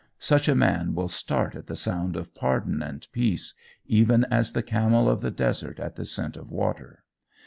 Such a man will start at the sound of pardon and peace, even as the camel of the desert at the scent of water.